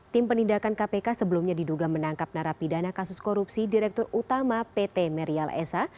tim penindakan kpk sebelumnya diduga menangkap narapidana kasus korupsi direktur utama pt merial esa